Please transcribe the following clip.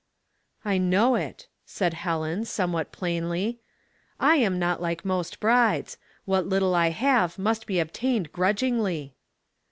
" I know it," said Helen, somewhat plain ly. '' I am not like most brides. What little I have must be obtained grudgingly."